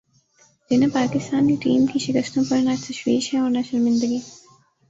جنہیں پاکستانی ٹیم کی شکستوں پر نہ تشویش ہے اور نہ شرمندگی